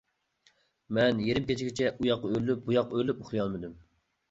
مەن يېرىم كېچىگىچە ئۇياققا ئۆرۈلۈپ بۇياققا ئۆرۈلۈپ ئۇخلىيالمىدىم.